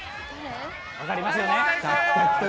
分かりますよね。